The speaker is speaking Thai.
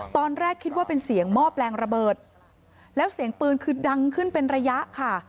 ตอนแรกคิดว่าเป็นเสียงหม้อแปลงระเบิดแล้วเสียงปืนคือดังขึ้นเป็นระยะค่ะ